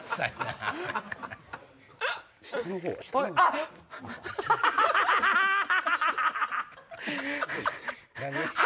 ハハハハ！